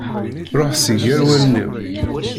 Ruḥ si ger wallen-iw!